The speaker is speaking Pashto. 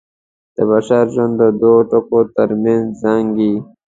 د بشر ژوند د دوو ټکو تر منځ زانګي.